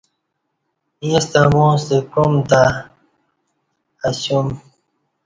یݩستہ امو ستہ کعوم تہ اسیوم